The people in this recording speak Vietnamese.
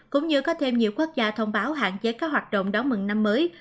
cũng như có thêm nhiều quốc gia thông báo hạn chế các hoạt động đón mừng năm mới